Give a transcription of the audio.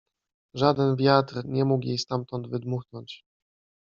Żaden wiatr nie mógł jej stamtąd wydmuchnąć.